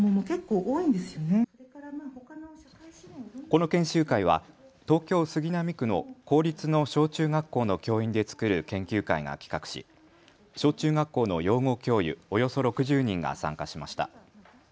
この研修会は東京杉並区の公立の小中学校の教員で作る研究会が企画し小中学校の養護教諭およそ６０人が参加しました。